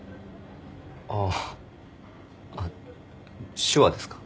ああ手話ですか？